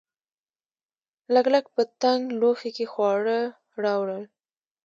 لګلګ په تنګ لوښي کې خواړه راوړل.